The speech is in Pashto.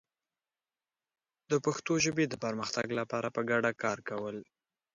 د پښتو ژبې د پرمختګ لپاره په ګډه کار کول